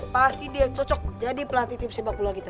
pasti dia cocok jadi pelatih tim sepak bola kita